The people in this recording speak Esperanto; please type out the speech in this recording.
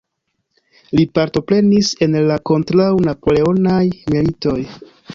Li partoprenis en la kontraŭ-Napoleonaj militoj.